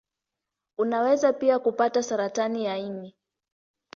Unaweza pia kupata saratani ya ini.